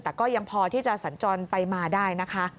แต่ก็ยังพอที่จะสัญจรไปมาได้นะคะ